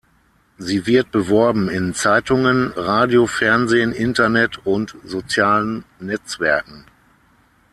Sie wird beworben in Zeitungen, Radio, Fernsehen, Internet und sozialen Netzwerken.